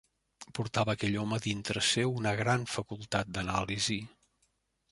Portava aquell home dintre seu una gran facultat d'anàlisi